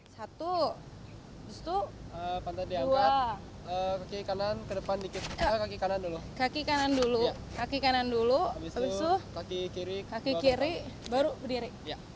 satu lalu dua kaki kanan dulu kaki kanan dulu kaki kiri baru berdiri